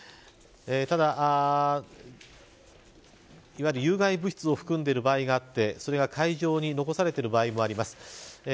ただ、いわゆる有害物質を含んでいる場合があって海上に残されている場合があります。